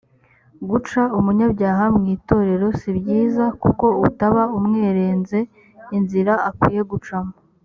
guca umunyabyaha mwi torero sibyiza kuko utaba umwerenze inzira akwiye gucamo